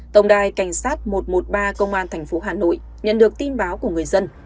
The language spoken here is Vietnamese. tổng đài cảnh sát một trăm một mươi ba công an thành phố hà nội nhận được tin báo của người dân